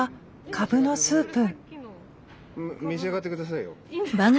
召し上がって下さいよ。